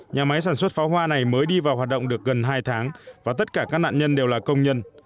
nhà máy sản xuất pháo hoa này mới đi vào hoạt động được gần hai tháng và tất cả các nạn nhân đều là công nhân